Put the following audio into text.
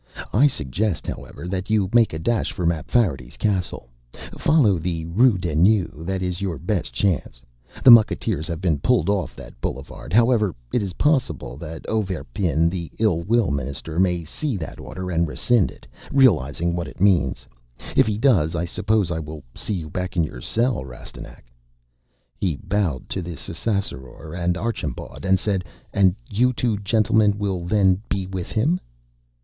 I suggest, however, that you make a dash for Mapfarity's castle. Follow the Rue des Nues; that is your best chance. The mucketeers have been pulled off that boulevard. However, it is possible that Auverpin, the Ill Will Minister, may see that order and will rescind it, realizing what it means. If he does, I suppose I will see you back in your cell, Rastignac." He bowed to the Ssassaror and Archambaud and said, "And you two gentlemen will then be with him."